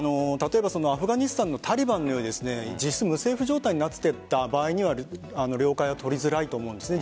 アフガニスタンのタリバンのように無政府状態になっていた場合には了解を取りづらいと思うんです。